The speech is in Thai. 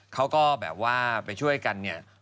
เขาก็แบบว่าไปช่วยกันเนี่ย